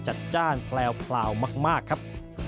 จัดแปลวมากครับ